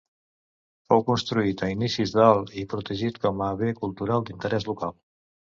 Fou construït a inicis del i protegit com a bé cultural d'interès local.